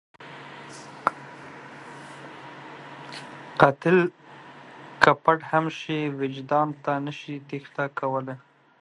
قاتل که پټ هم شي، وجدان ته نشي تېښته کولی